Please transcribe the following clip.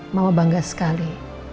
mama bangga sekali